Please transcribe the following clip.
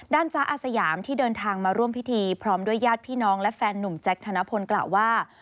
จ๊ะอาสยามที่เดินทางมาร่วมพิธีพร้อมด้วยญาติพี่น้องและแฟนหนุ่มแจ๊คธนพลกล่าวว่า